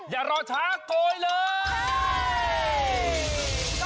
อย่ารอช้าโกยเลย